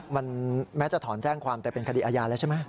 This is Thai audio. มันแม้จะถอนแจ้งความแต่เป็นคดีอาญาแล้วใช่ไหม